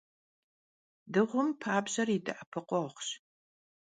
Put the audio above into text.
Dığum pabjer yi de'epıkhueğuş.